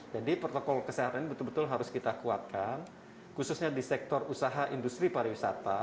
jadi protokol kesehatan ini betul betul harus kita kuatkan khususnya di sektor usaha industri pariwisata